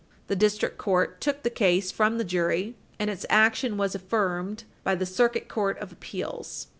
The District Court took the case from the jury, and its action was affirmed by the Circuit Court of Appeals.